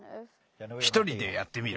ひとりでやってみろ。